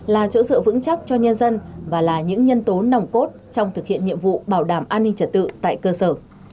là chỗ dựa vững chắc cho nhân dân và là những nhân tố nòng cốt trong thực hiện nhiệm vụ bảo đảm an ninh trật tự tại cơ sở